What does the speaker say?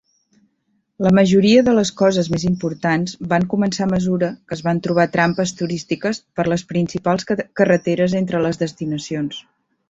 La majoria de les coses més importants van començar a mesura que es van trobar trampes turístiques per les principals carreteres entre les destinacions.